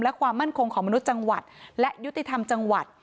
และความมั่นคงของมนุษย์จังหวัดและยุติธรรมจังหวัด